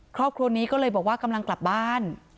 ครอบครัวนี้ก็เลยบอกว่ากำลังกลับบ้าน